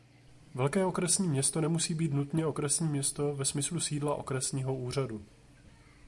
Velké okresní město nemusí být nutně okresní město ve smyslu sídla okresního úřadu.